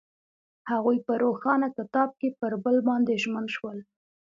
هغوی په روښانه کتاب کې پر بل باندې ژمن شول.